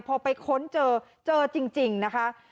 พอไปขนเจอจริงนะคะ